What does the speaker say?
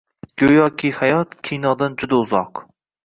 Goʻyoki hayot kinodan juda uzoq...